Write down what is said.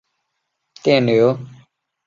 电流流经改装的线路